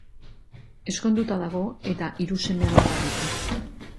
Ezkonduta dago eta hiru seme-alaba ditu.